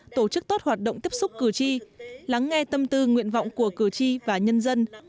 tổ chức tốt hoạt động tiếp xúc cử tri lắng nghe tâm tư nguyện vọng của cử tri và nhân dân